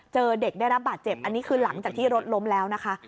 เจอเด็กได้รับบาดเจ็บอันนี้คือหลังจากที่รถล้มแล้วนะคะ